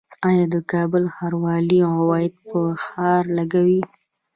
آیا د کابل ښاروالي عواید په ښار لګوي؟